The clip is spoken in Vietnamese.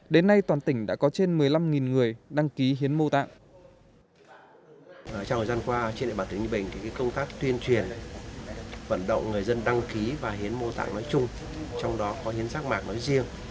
đến nay toàn tỉnh đã có trên một mươi năm người đăng ký hiến mô tạng